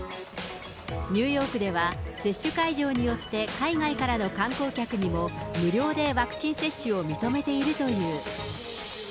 ニューヨークでは、接種会場によって海外からの観光客にも無料でワクチン接種を認めているという。